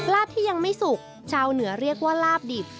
ลาบที่ยังไม่สุกชาวเหนือเรียกว่าลาบดิบ